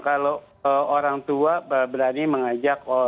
kalau orang tua berani mengajak